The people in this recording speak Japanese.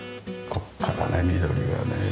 ここからね緑がね。